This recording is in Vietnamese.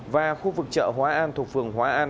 và khu vực chợ hóa an thuộc phường hóa an